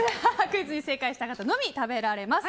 クイズに正解した方のみ食べられます。